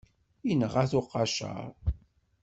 Inɣa-t uqaceṛ.